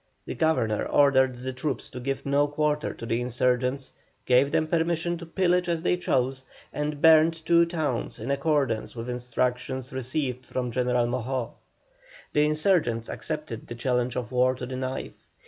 The governor ordered the troops to give no quarter to the insurgents, gave them permission to pillage as they chose, and burned two towns in accordance with instructions received from General Moxó. The insurgents accepted the challenge of war to the knife.